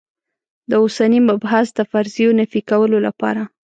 د اوسني مبحث د فرضیو نفي کولو لپاره.